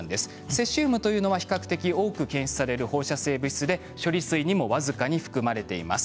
セシウムは比較的多く検出される放射性物質で処理水にも僅かに含まれています。